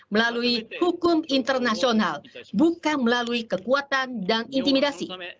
melalui hukum internasional bukan melalui kekuatan dan intimidasi